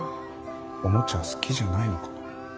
おもちゃ好きじゃないのかなぁ。